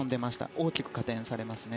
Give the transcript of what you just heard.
大きく加点されますね。